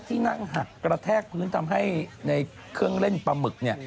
ที่นั่งหักกระแทกพื้นทำให้ในเครื่องเล่นปลาหมึกเนี่ย